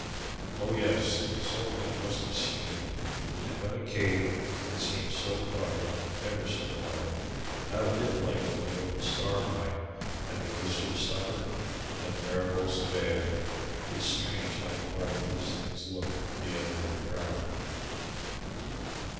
Oh yes; some of them must have seen it. And yet when it came it seemed so quiet, ever so quiet, not a bit like the Northern Star mine and the oyster supper and the Mariposa band. It is strange how quiet these things look, the other way round.